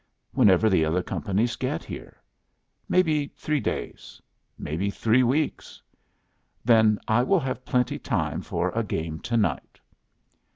"Whenever the other companies get here. May be three days may be three weeks." "Then I will have plenty time for a game to night."